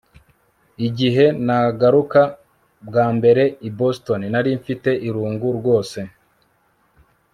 Igihe nagaruka bwa mbere i Boston nari mfite irungu rwose